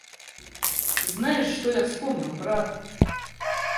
Знаешь, что я вспомнил, брат?